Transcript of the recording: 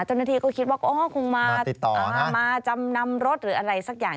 เจ้าหน้าที่ก็คิดว่าคงมาจำนำรถหรืออะไรสักอย่าง